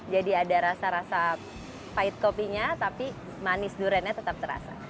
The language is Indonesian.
jadi ada rasa rasa pahit kopinya tapi manis duriannya tetap terasa